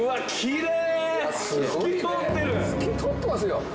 透き通ってますよ。